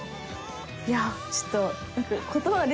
いやちょっと。